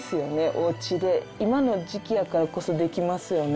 おうちで今の時期やからこそできますよね。